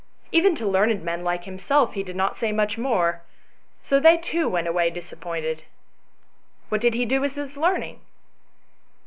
Even to learned men like himself he did not say much more ; so they too went away disappointed." "What did he do with his learning?"